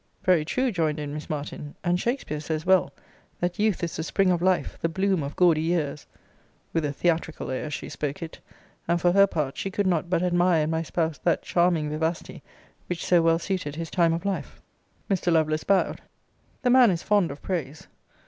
Very true, joined in Miss Martin. And Shakespeare says well, that youth is the spring of life, the bloom of gaudy years [with a theatrical air, she spoke it:] and for her part, she could not but admire in my spouse that charming vivacity which so well suited his time of life. Mr. Lovelace bowed. The man is fond of praise.